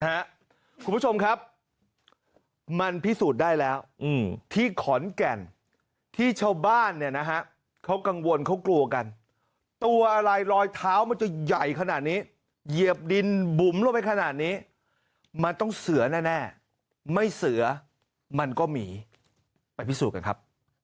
คุณผู้ชมครับมันพิสูจน์ได้แล้วที่ขอนแก่นที่ชาวบ้านเนี่ยนะฮะเขากังวลเขากลัวกันตัวอะไรรอยเท้ามันจะใหญ่ขนาดนี้เหยียบดินบุ๋มลงไปขนาดนี้มันต้องเสือแน่ไม่เสือมันก็หมีไปพิสูจน์กันครับ